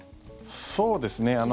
そうですね。